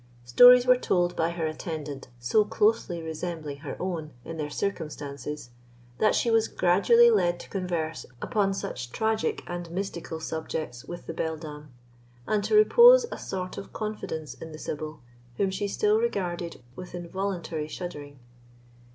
Stories were told by her attendant so closely resembling her own in their circumstances, that she was gradually led to converse upon such tragic and mystical subjects with the beldam, and to repose a sort of confidence in the sibyl, whom she still regarded with involuntary shuddering.